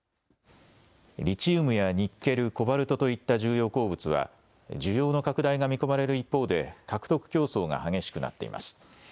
リチウムやニッケル、コバルトといった重要鉱物は需要の拡大が見込まれる一方で獲得競争が激しくなっています。